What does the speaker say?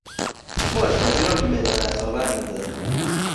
او آشپزی را ملالت آور میداند.